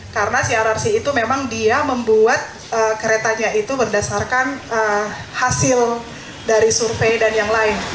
karena crrc itu memang dia membuat keretanya itu berdasarkan hasil dari survei dan yang lain